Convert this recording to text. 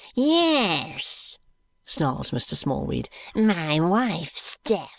"Yes," snarls Mr. Smallweed, "my wife's deaf."